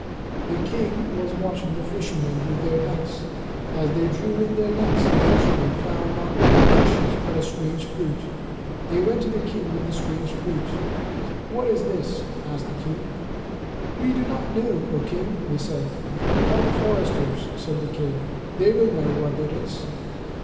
The king was watching the fishermen with their nets. As they drew in their nets, the fishermen found not only fishes but a strange fruit. They went to the king with the strange fruit. "What is this?" asked the king. "We do not know, O King," they said. "Call the foresters," said the king, "They will know what it is."